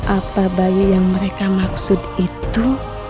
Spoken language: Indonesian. apa bayi yang mereka maksud itu